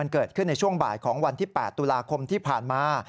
เกิดขึ้นในช่วงบ่ายของวันที่๘ตุลาคมที่ผ่านมา